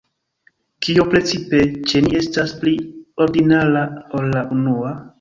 Kio precipe ĉe ni estas pli ordinara ol la unua?